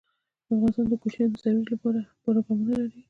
افغانستان د کوچیان د ترویج لپاره پروګرامونه لري.